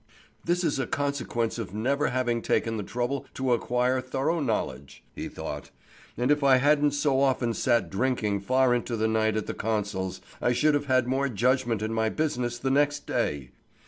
"This is a consequence of never having taken the trouble to acquire thorough knowledge," he thought. "And if I hadn't so often sat drinking far into the night at the consul's, I should have had more judgment in my business the next day."